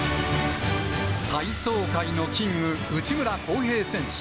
体操界のキング、内村航平選手。